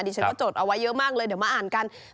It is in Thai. ฉันก็จดเอาไว้เยอะมากเลยเดี๋ยวมาอ่านกัน